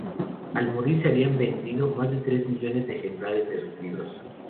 Al morir se habían vendido más de tres millones de ejemplares de sus libros.